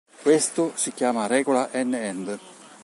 Questo si chiama regola N-end.